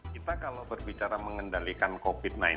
kita kalau berbicara mengendalikan covid sembilan belas